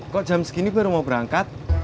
kok jam segini baru mau berangkat